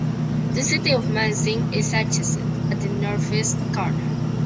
The city of Munising is adjacent, at the northeast corner.